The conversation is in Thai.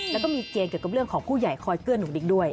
แล้วก็มีเกีรย์เกี่ยวกับข้าวหุ้นใหญ่คอยเคลือนหนึ่งด้วย